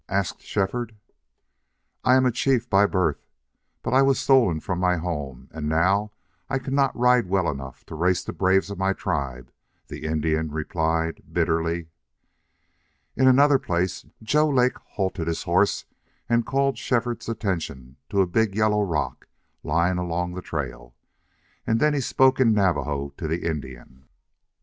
asked Shefford. "I am a chief by birth. But I was stolen from my home, and now I cannot ride well enough to race the braves of my tribe," the Indian replied, bitterly. In another place Joe Lake halted his horse and called Shefford's attention to a big yellow rock lying along the trail. And then he spoke in Navajo to the Indian.